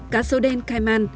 cá sâu đen caiman